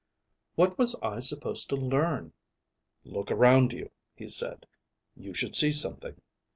"What was I supposed to learn?" "Look around you," he said. "You should see something."